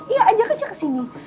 iya ajak aja ke sini